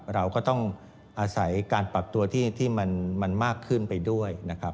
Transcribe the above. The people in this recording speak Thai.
เราก็ต้องอาศัยการปรับตัวที่มันมากขึ้นไปด้วยนะครับ